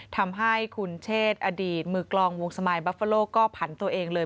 ทำให้คุณเชษอดีตมือกลองวงสมายบัฟเฟอร์โลก็ผันตัวเองเลย